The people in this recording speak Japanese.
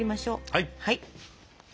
はい！